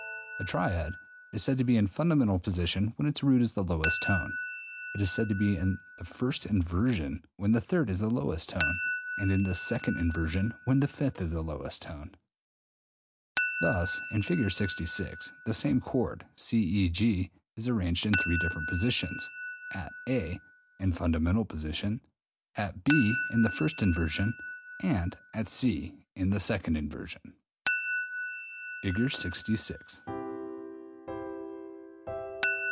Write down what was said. A triad is said to be in fundamental position when its root is the lowest tone. It is said to be in the first inversion when the third is the lowest tone, and in the second inversion when the fifth is the lowest tone. Thus e.g., in Fig. 66 the same chord (C E G) is arranged in three different positions, at (a) in fundamental position, at (b) in the first inversion, and at (c) in the second inversion. [Illustration: Fig.